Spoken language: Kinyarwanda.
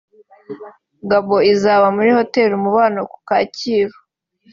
Gabon izaba muri Hotel Umubano ku Kacyiru